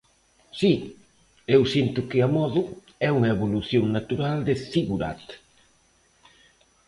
Si, eu sinto que A Modo é unha evolución natural de Zigurat.